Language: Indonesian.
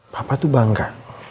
papa tuh bangga